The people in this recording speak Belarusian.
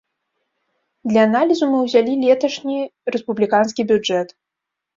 Для аналізу мы ўзялі леташні рэспубліканскі бюджэт.